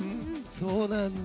そうなんだ。